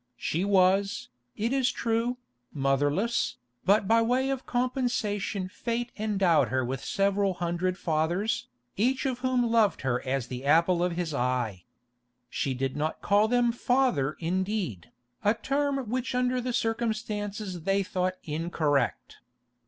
She was, it is true, motherless, but by way of compensation Fate endowed her with several hundred fathers, each of whom loved her as the apple of his eye. She did not call them "Father" indeed, a term which under the circumstances they thought incorrect.